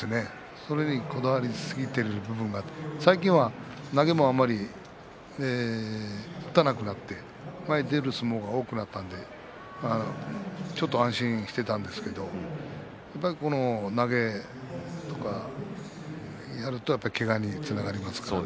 それにこだわりすぎている部分がありますし最近は投げもあんまり打たなくなって前に出る相撲が多くなったのでちょっと安心していたんですけれども、やはり投げとかやるとけがにつながりますからね。